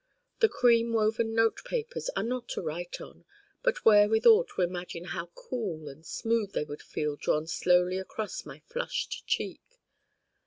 The cream woven Note Papers are not to write on but wherewithal to imagine how cool and smooth they would feel drawn slowly across my flushed cheek.